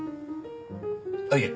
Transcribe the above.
あっいえ